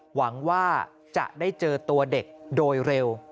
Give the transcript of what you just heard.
หวังว่าจะได้เจอตัวเด็กโดยเร็ว